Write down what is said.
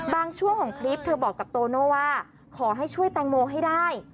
ช่วงของคลิปเธอบอกกับโตโน่ว่าขอให้ช่วยแตงโมให้ได้